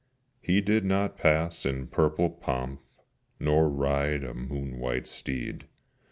He did not pass in purple pomp, Nor ride a moon white steed.